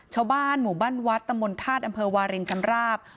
ชาวบ้านหมู่บ้านวัดตะมนต์ธาตุอำเภอวารินชำราบ